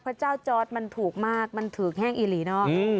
พระเจ้าจอดมันถูกมากมันถูกแห้งอิหรี่เนอะ